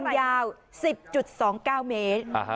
ความยาว๑๐๒๙เมตร